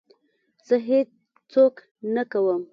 زه هېڅ څوک نه کوم.